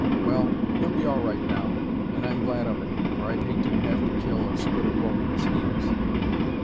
Well, he'll be all right now, and I'm glad of it, for I'd hate to have to kill as good a roper as he is."